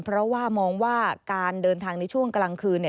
เพราะว่ามองว่าการเดินทางในช่วงกลางคืน